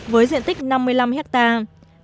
với diện tích năm mươi năm hectare